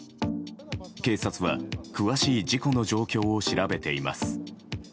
警察は詳しい事故の状況を調べています。